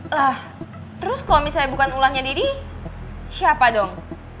lah terus kalo misalnya bukan ulahnya daddy siapa dong